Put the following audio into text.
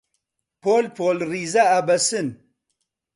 پۆل پۆل ڕیزە ئەبەسن